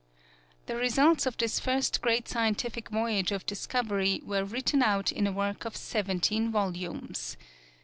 The results of this first great scientific voyage of discovery were written out in a work of seventeen volumes.